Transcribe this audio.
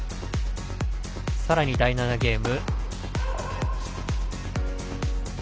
さらに第７ゲーム。